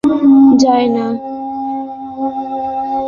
এটা, pastry king না হয়ে যায় না।